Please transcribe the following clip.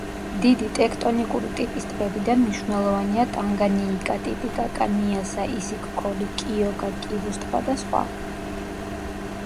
დიდი ტექტონიკური ტიპის ტბებიდან მნიშვნელოვანია ტანგანიიკა, ტიტიკაკა, ნიასა, ისიქ-ქოლი, კიოგა, კივუს ტბა და სხვა.